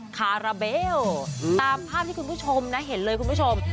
คาราเบลตามภาพที่คุณผู้ชมนะเห็นเลยคุณผู้ชม